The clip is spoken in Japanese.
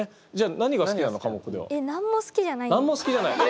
何も好きじゃない。